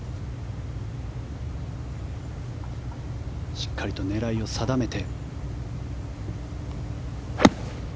しっかりと狙いを定めて。